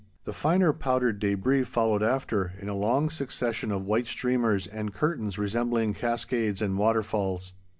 The finer powdered debris followed after, in a long succession of white streamers and curtains resembling cascades and waterfalls.